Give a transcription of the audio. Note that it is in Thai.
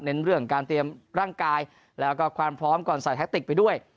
เรื่องการเตรียมร่างกายแล้วก็ความพร้อมก่อนใส่แท็กติกไปด้วย